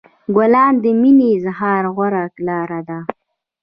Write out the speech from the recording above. ګلاب د مینې د اظهار غوره لاره ده.